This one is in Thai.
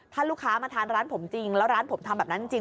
ถ้าลูกค้ามาทานร้านผมจริงแล้วร้านผมทำแบบนั้นจริง